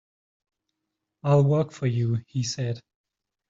"I'll work for you," he said.